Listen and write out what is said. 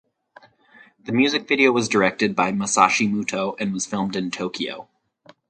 The music video was directed by Masashi Muto and was filmed in Tokyo.